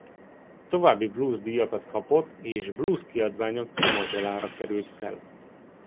További blues-díjakat kapott és blues-kiadványok címoldalára került fel.